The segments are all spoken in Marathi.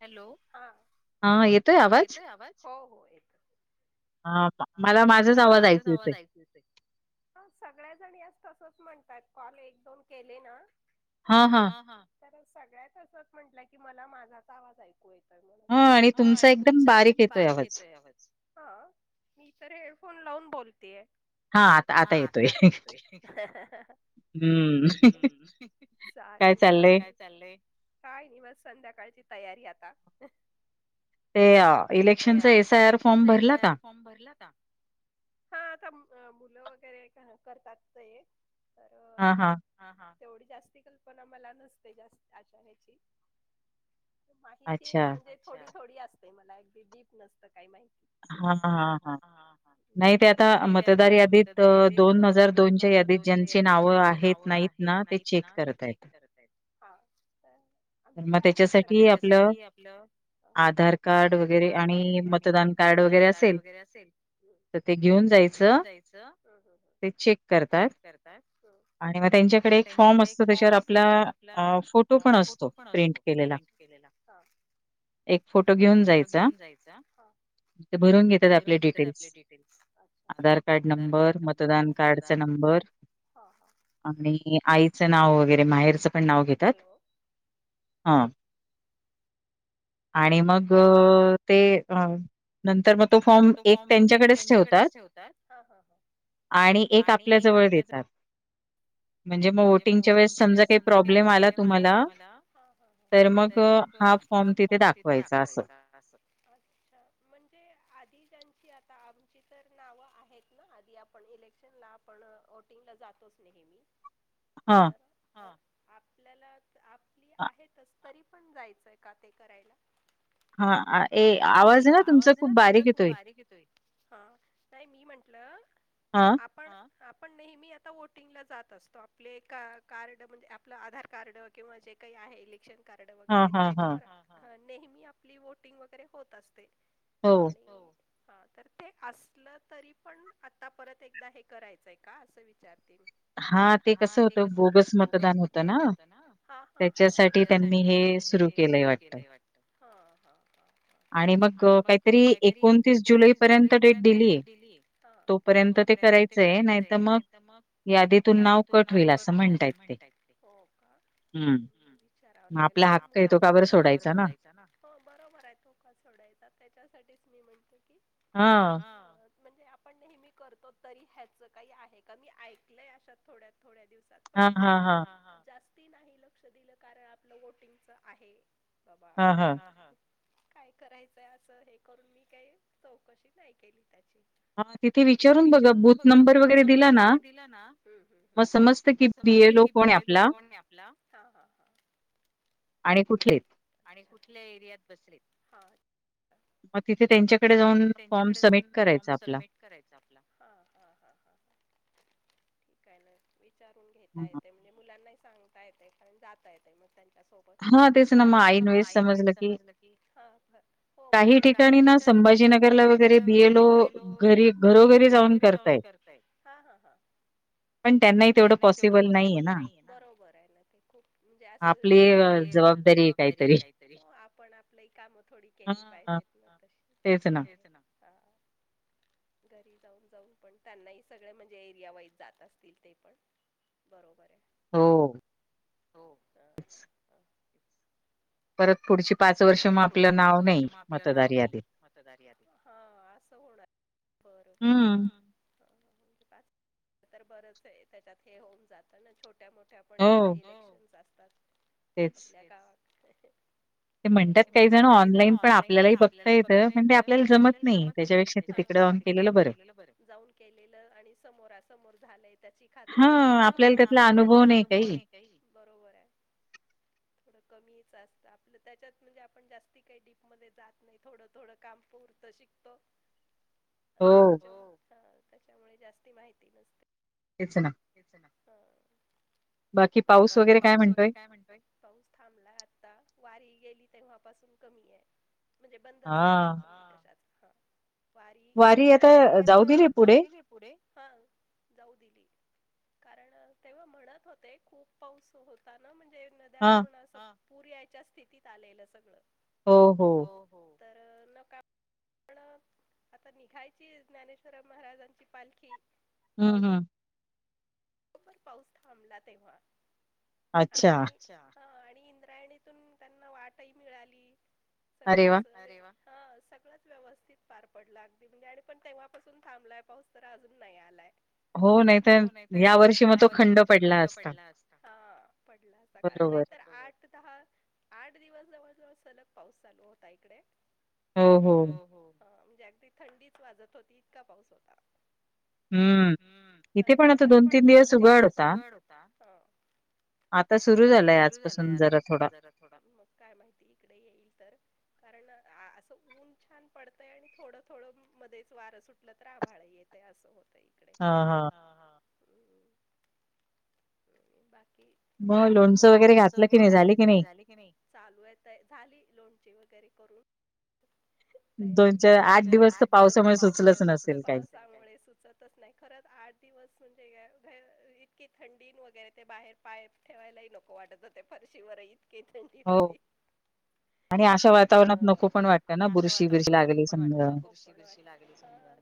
हॅलो हा येतोय आवाज हो हो येतोय. हा मला माझाच आवाज ऐकू येतोय. ह सगळ्याजणी आज तसच म्हणतात कॉल एक दोन केले ना. हा हा. तर सगळ्यात असंच म्हटल्या की मला माझाच आवाज ऐकू येतोय. हा आणि तुमचा एकदम बारीक येतोय आवाज हा मी तर हेडफोन लावून बोलतेय. हा आता आता येतोय. ठीक आहे चालेल चालेल. चालय काय नाही बस संध्याकाळची तयारी आता ए इलेक्शनचा एसआय आर फॉर्म भर [unintelligible] हा आता मुलं वगैरे करतात. तर हा हा तेवढी जास्ती कल्पना मला नसते जा आशा ह्याची माहिती म्हणजे थोडी थोडी असते मला अगदी डीप नसतं काही माहि हा ह ह नाही ते आता मतदार यादीत अ दोन हजार दोनच्या यादीत ज्यांची नाव आहेत नाहीत ना ते चेक करत आहेत. तर मग त्याच्यासाठी आपलं आधार कार्ड वगैरे आणि मतदान कार्ड वगैरे असेल. वगैरे असेल. तर ते घेऊन जायचं ते चेक करतात. आणि मग त्यांच्याकडे एक फॉर्म असतो त्याच्यावर आपला फोटो पण असतो प्रिंट केलेला. हा. एक फोटो घेऊन जायचा. अच्छ [unintelligible] ते भरून घेतात आपले डिटेल्स आधार कार्ड नंबर मतदान हो हो. आणि आईचं नाव वगैरे माहेरचं पण नाव घेतात. हा आणि मग ते अ नंतर मग तो फॉर्म एक त्यांच्याकडेच ठेवतात. आणि एक आपल्या जवळ देतात. म्हणजे मग वोटिंगच्या वेळेस समजा काय प्रॉब्लेम आला तुम्हाला तर मग फॉम तिथे दाखवायचा अस. म्हणजे आधी ज्यांची आता आमची तर नावं आहेत ना आधी आपण इलेक्शन ना. पण वोटिंगला जातोच नेहमी आपल्याला आपली आहेतच. तरी पण जायचंय का, ते करायला? हा ए आवाजयना तुमचा खूप बारीक येतोय. हा. नाही मी म्हंटलं, आप पण हा. आपण नेहमी आता वोटिंगला जात असतो. आपले का- कार्ड म्हणजे आपलं आधार कार्ड किंवा जे काही आहे, इलेक्शन कार्ड वगैरे. त्याच्यावर, नेहमी आपली वोटिंग वगैरे होत असते. आणि, हो. हा. तर ते असलं तरी पण, आता परत एकदा हे करायचंय का? असं विचारते मी. हा, ते कसं होतं. बोगस मतदान होतं ना. त्याच्यासाठी ते त्यांनी हे सुरू केलय वाटतं. आणि मग काय तरी एकोणतीस जुलै पर्यंत डेट दिलीय. तोपर्यंत ते कराय ते. नाही तर मग, यादीतून नाव त नाव कट होईल. असं, म्हणताय ते. हम. विचारावं लागेल. कारण, आपला हक्कय तो. का बरं, सोडायच? हो, बरोबरय तो का सोडायचा? त्याच्यासाठीच मी म्हणते की म्हणजे आपण नेहमी करतो. तरी ह्याचं काही आहे का? मी ऐकलंय अशा थोड्या -थोड्या दिवसात. पण जास्ती नाही लक्ष दिलं. कारण, आपलं वोटिंगच आहे. बाबा. तर हे काय करायचंय, असं हे करून, मी काही चौकशी नाही केली त्याची. तिथे विचारून बघ, बूथ नंबर वगैरे दिला ना. हं, हं, हं. मग समजत की. डी ए लो कोणय? आपला. आणि कुठलेयत? आणि कुठल्या एरियात बसेल? हा. मग तिथे त्यांच्याकडे जाऊन, फॉर्म सबमिट करायचा आपला. हां, हां, हां, ह, ह. काय नाही. विचारून घेता येते. म्हणजे, मुलांना ही सांगता येतय. कारण जाता येतय. मग त्यां सोबत. हा हा ना तेच ना मग. ऐनवेळी समजल की, हा, हं. हो मग गोंधळ. काही ठिकाणी ना संभाजीनगर नगरला वगैरे बी एल ओ घरी- घरोघरी जाऊन करताय. पण त्यांनाही तेवढं पॉसिबल नाहीय ना. बरोबरय ना ते. खूप म्हणजे अस जबाबदारीय त्या तेय काहीतरी. आपण आपली कामं थोडी केली पाहिजेत. तेच ना. हा. घरी जाऊन- जाऊन पण. त्यांनाही सगळे म्हणजे एरिया वाईज, जात असतील ते पण. बरोबरय. हो. हो, का. [unintelligible] परत पुढची पाच वर्ष मग आपलं नाव नाही. मतदार यादीत. हं असं असं होणारं. बरं- बरं. हं. हं, पाच. तर बरंचय. त्याच्यात हे होऊन जातं ना. छोट्या- मोठ्या त्या पण इलेक्शन असतात. आपल्या गावात. [unintelligible] बरोबर. ते म्हणतात काही जण ऑनलाईन. पण आपल्यालाही बघता येतं. पण ते आपल्याला जमत नाही. त्याच्या पेक्षा ते तीकड जाऊन केलेलं बरं. जाऊन केलेलं आणि समोरासमोर झालंय त्याची खात्री वगैरे. हं, आपल्याला त्याला अनुभव नाही. काही. बरोबराय. थोडं कमीच असतं आप त्याच्यात म्हणजे आपण, जास्त काही डीप मध्ये जात नाही. थोडं -थोडं काम परतं शिकतो. [inaudible] ह, त्याच्या, हो. हा, त्याच्यामुळे जास्ती माहिती नसते. तेच ना. हेच ना, बाकी पाऊस वगैरे काय म्हणतोय? पाऊस थांबला आता वारी गेली तेव्हापासून कमी आहे. म्हणजे बंदच आहे. वारी येणार वारी आता जाऊ दिली? पुढे हां जाऊ दिली. कारण तेव्हा म्हणत होते खूप पाऊस होता ना म्हणजे न. नद्या पूर्ण पूर यायच्या स्थितीत आलेलं सगळ हो. हो तर नका. आता निघायची ज्ञानेश्वर महाराजांची पालखी. हम्म हम्. बरोबर पाऊस थांबला तेव्हा. आणि हा आणि इंद्रायणीतून त्यांना वाटही मिळाली. सगळंच अरे वा! हा सगळंच व्यवस्थित पार पडलं अगदी म्हणजे आणि पण तेव्हापासून थांबलाय पाऊस तर अजून नाही आलाय. हो नाही तर, या वर्षी मग तो खंड पडला असत हा पडला असता कारण नाहीतर आठ. आ दहा आठ दिवस जवळ जवळ सलग पाऊस चालू होता इकडे. हो हो म्हणजे अगदी थंडीच वाजत होती इतका पाऊस होता. हम्म इथे पण आता दोन तीन दिवस उघड होता. आता सुरू झालंय आजपासून जरा थोडा मग काय माहिती इकडे येईल तर कारण असं ऊन छान पडतंय आणि थोडं थोडं मध्येच वारं सुटलं तर आभाळ येत. ते असं होत इकडे हा ह्. बाकी मग आता लोणचं वगैरे घातलं की नाही झाली की नाही. चालू आहे झाली लोणची वगैरे करून. दोनच्या आठ दिवस तर पावसामुळे सुचत नहीं. नाही खरंच आठ दिवस म्हणजे इतके. थंडी वगैरे ते बाहेर पाय ठेवायलाही नको वाटत होते, पर्शीवर इतके थंडी. ती होती. हो अ आणि अशा वातावरणात नको पण वाटलं ना बुरशी बुरशी लागली समजा.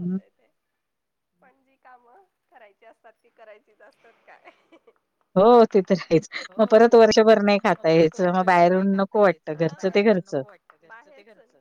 होतय ते. [unintelligible] पण जी कामं करायची असतात ती करायचीच असतात काय. हो तिथेच मग परत वर्षभर नाही खाता येत. बाहेरून नको वाटत. बाहेरच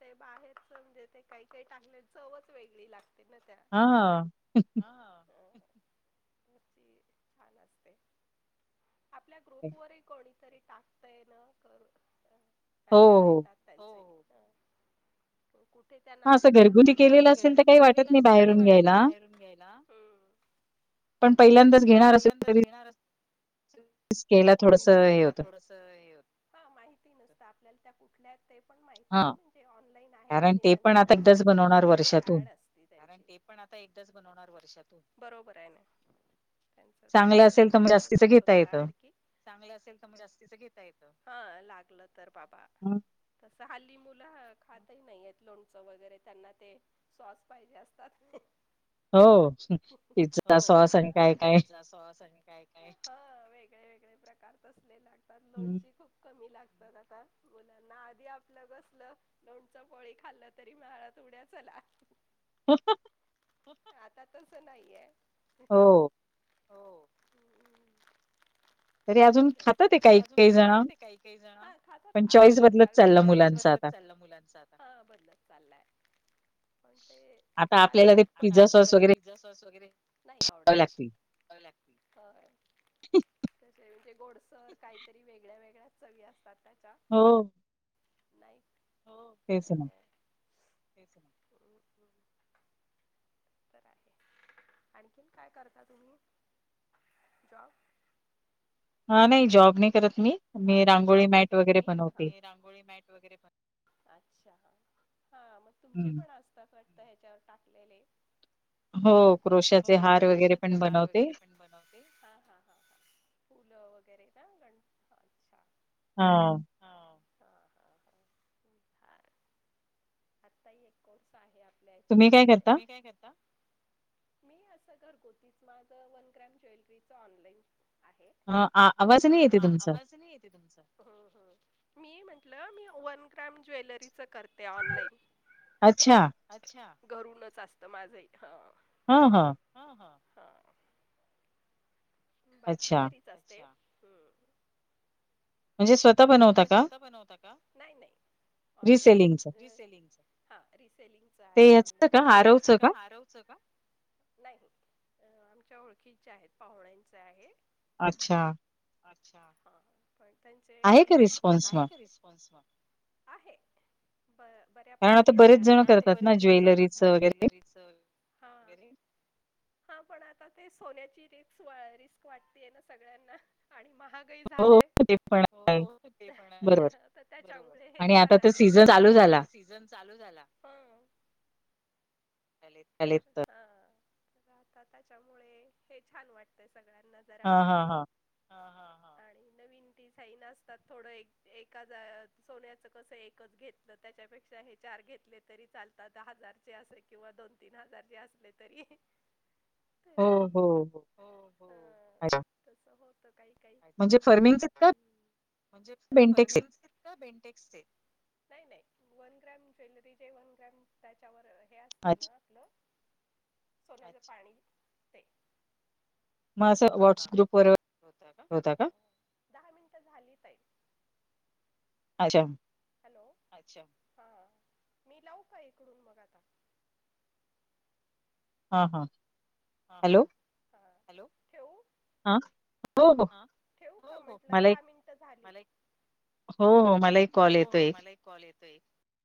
ते अ बाहेरच म्हणजे ते काही काही टाकले चवच वेगळी लागते न. त्या त्याची हा ह्. मग ती छान असते आपल्या ग्रुपवररही कोणी तरी टाकतय ना करू मॅसेज येतात त्यांचे हो हो. हो कुठे त्याला नाशिकच्या ताई असं घरगुती केलेलं असेल तर काही वाटत नाही बाहेरून घ्यायला. पण पहिल्यांदाच घेणार असे तरीच केला थोडस. ते य पि माहिती नसत आपल्याला त्या कुठल्या? ते पण माहित नाही म्हणजे ऑनलाईन आहे की नाही त्यांच माहित नाही पण ग्रुपर ऍड असत. कारण ते पण आता एकदाच बनवणार वर्षातून बरोबर आहे ना. त्यांचं ते त्यांच तसच येत होतं ऍड की चांगलं असेल तर मग जास्तीच घेता येतं ह लागलं तर बाबा. हं. तसं हल्ली मुलं खातही नाहीय आहेत लोणचं वगैरे त्यांना ते सॉस पाहिजे असतात. हो पिझ्झा सॉस आणि काय काय? पिझ्झा सॉस अन काय काय वेगळे वगळे प्रकारस तसले लागतात लोणची खूप कमी लागतात आता मुलांना आधी आपलं कसलं? लोंणच पोळी खाल्ल तरी मळात उड्या चला. हंंहं हं हंआता तसं नाहीये हं. हो तरी अजून खातात ये काही काही जण हा खातात आवडण चॉइस वरन चालला मुलांचा आता ह बदलत चाललाय पण ते छान चटपट आता आपल्याला ते पिझ्झा सॉस वगैरे नाही आवडत. [unintelligible] तसे म्हणजे गोडसर काहीतरी वेगळ्या वेगळ्या चवी असतात त्याच्या हो... नाही हो अ तेच तर आहे आणखीन काय करता तुम्ही जॉब हा नाही जॉब नाही करत मी हा नाही जॉब नाही करत मी रांगोळी मॅट या वैगरे बनवते अच्छा हा मग तुमचे पण अस आता कळते याच्यावर टाकलेले. ग्रुप वर हो क्रोशाचे हार वगैरे पण बन ओके हां हां हां हां फूलं वगैरे का अच्छा ह हा ह ह ह आत्ता ही एक कोर्स आहे आपल्या हच्यात वाटतय तुम्ही काय करता. मी असं घरगुतीच माझं वन ग्रॅम ज्वेलरीचं ऑनलाइन आहे अ अ आ आवाज नाही येते तुमचा मी म्हंटलं मी वन ग्रॅम ज्वेलरीच करते ऑनलाईन अच्छा अच्छा घरूनच असतं माझही काम ह ह ह ह ह.. बाकी घरीच असते हं म्हणजे स्वतःबनव म्हणजे स्वतः बनवता का नाही नाही ऑनलाईन रिसेलिंग हा रिसेलिंगच आहे ऑनलाईन याच का आरवच का नाही आमच्या ओळखीच्या आहेत पाहुण्यांच आहे. अच्छा. अच्छा हा पण त्यांचे डिझाईन खूप छान रिस्पॉन्स आहे. बऱ्यापैकी आहे बरेच जण करतात ना ज्वेलरी सरी हा पण आता ते सोन्याची रिक रिस्क वाटतेय ना सगळ्यांना आणि महाग का झा, हो तर त्याच्यामुळे हे छान आहे. सीझन चालू झाला. आता त्याच्यामुळे हे छान वाटतय सगळ्यांना जरा आणि नवीन ती साइन अस थोडं एक एकाच सोन्याचं कस एकच घेतलं त्याच्यापेक्षा हे चार घेतले. तरी चालतात दहा हजारचे असे किंवा दोन तीन हजारचे असले तरी ते हो हो तस होत काही काही् म्हणजे फर्मिंग बेंटेक्स नाही नाही वन ग्रॅम ज्वेलरी जे वन ग्रॅम त्याच्यावर आपलं सोन्या च पाणी ते हा हा हा होत का? दहा मिनिटं झाली ताई. अच्छा. हॅलो अच्छा हा मी लाव का इकडून मग आता. हा हा. हा हा हॅलो. ठेव म्हटलं दहा मिनिट झाली हो हो मला एक कॉल येतो एक कॉल येतोय